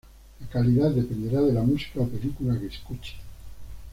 La calidad dependerá de la música o película que escuche.